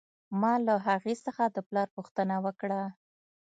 ما له هغې څخه د پلار پوښتنه وکړه